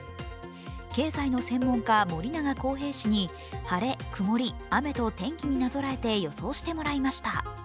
経済の専門家・森永康平氏に晴れ、曇り、雨と天気になぞらえて予想してもらいました。